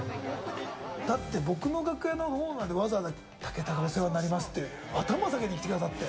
だって僕の楽屋のほうまで、わざわざ武田がお世話になりますって、頭下げに来てくださって。